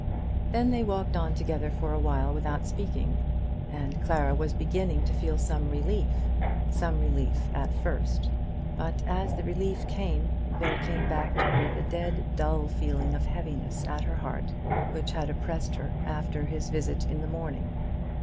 Then they walked on together for a while without speaking, and Clara was beginning to feel some relief, some relief at first; but as the relief came, there came back to her the dead, dull, feeling of heaviness at her heart which had oppressed her after his visit in the morning.